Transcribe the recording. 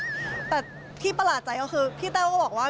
แต่ที่ประหลาดใจก็คือพี่แต้วก็บอกว่า